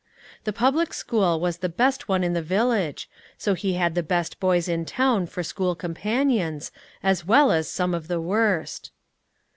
The public school was the best one in the village, so he had the best boys in town for school companions, as well as some of the worst.